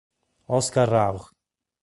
Oscar Rauch